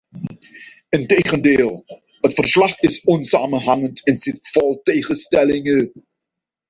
Integendeel, het verslag is onsamenhangend en zit vol tegenstellingen.